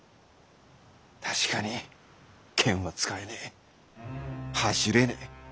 確かに剣は使えねえ走れねえ。